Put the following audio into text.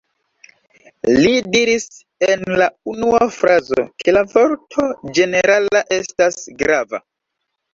Li diris en la unua frazo, ke la vorto ĝenerala estas grava.